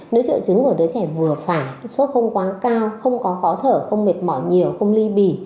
nếu triệu chứng của đứa trẻ vừa phải số không quá cao không có khó thở không mệt mỏi nhiều không ly bì